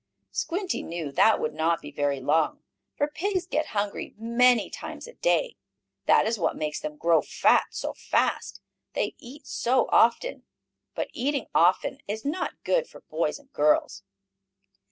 Squinty knew that would not be very long, for pigs get hungry many times a day. That is what makes them grow fat so fast they eat so often. But eating often is not good for boys and girls.